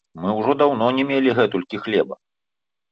Мы ўжо даўно не мелі гэтулькі хлеба!